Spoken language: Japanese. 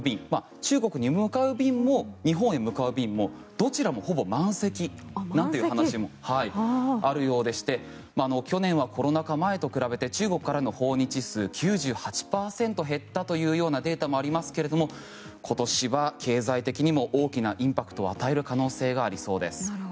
中国に向かう便も日本へ向かう便もどちらもほぼ満席という話もあるようでして去年はコロナ禍前と比べて中国からの訪日数９８％減ったというようなデータもありますが今年は経済的にも大きなインパクトを与える可能性がありそうです。